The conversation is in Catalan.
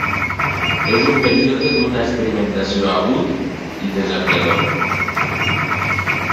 És un període d'una experimentació agut i desafiador.